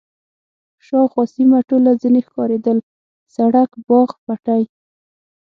شاوخوا سیمه ټوله ځنې ښکارېدل، سړک، باغ، پټی.